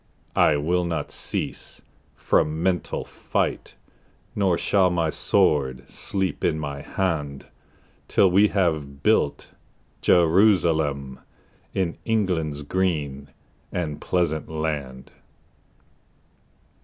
I will not cease from mental fight, Nor shall my sword sleep in my hand Till we have built Jerusalem In England's green and pleasant land.